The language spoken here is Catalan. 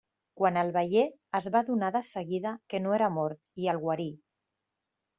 Quan el veié es va adonar de seguida que no era mort i el guarí.